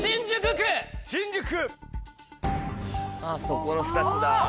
あっそこの２つだ。